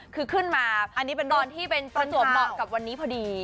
คือขึ้นมาตอนที่เป็นตัวเหมาะกับวันนี้พอดี